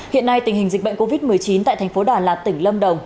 hiện nay tình hình dịch bệnh covid một mươi chín tại tp đà lạt tỉnh lâm đồng